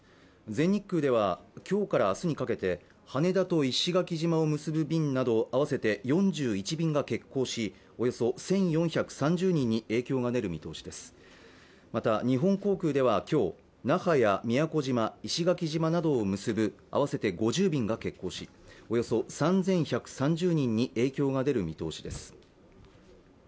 全日空では今日から明日にかけて羽田と石垣島を結ぶ便など合わせて４１便が欠航しおよそ１４３０人に影響が出る見通しですまた日本航空ではきょう那覇や宮古島石垣島などを結ぶ合わせて５０便が欠航しおよそ３１３０人に影響が出る見通しです